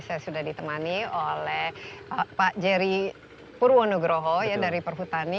saya sudah ditemani oleh pak jerry purwonugroho ya dari perhutani